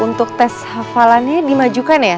untuk tes hafalannya dimajukan ya